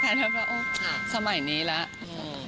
แฟนนุ่มแล้วสมัยนี้แล้ว